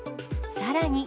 さらに。